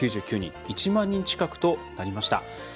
１万人近くとなりました。